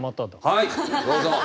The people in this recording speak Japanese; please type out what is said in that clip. はいどうぞ。